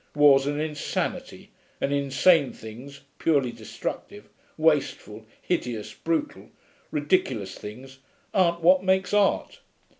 War's an insanity; and insane things, purely destructive, wasteful, hideous, brutal, ridiculous things, aren't what makes art.